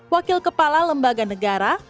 wakil kepala lembaga negara